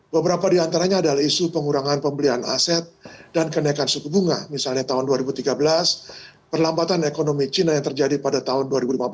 beberapa di antaranya adalah isu pengurangan pembelian aset dan kenaikan suku bunga misalnya tahun dua ribu tiga belas perlambatan ekonomi cina yang terjadi pada tahun dua ribu lima belas